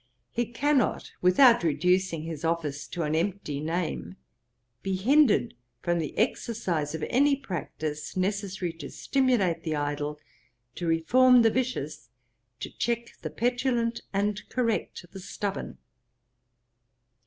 He cannot, without reducing his office to an empty name, be hindered from the exercise of any practice necessary to stimulate the idle, to reform the vicious, to check the petulant, and correct the stubborn.